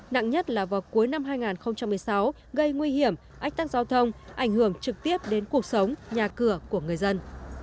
nặng nhất là vào cuối năm hai nghìn một mươi sáu gây nguy hiểm ách tắc giao thông ảnh hưởng trực tiếp đến cuộc sống nhà cửa của người dân